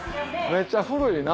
めっちゃ古いな。